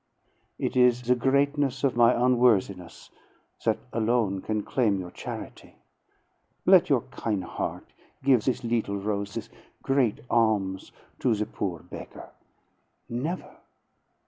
"It is the greatness of my onworthiness that alone can claim your charity; let your kin' heart give this little red rose, this great alms, to the poor beggar." "Never!"